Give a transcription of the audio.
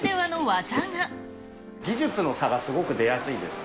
技術の差がすごく出やすいです。